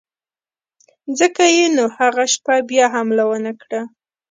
ځکه یې نو هغه شپه بیا حمله ونه کړه.